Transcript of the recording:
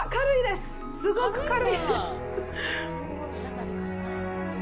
すごく軽いです！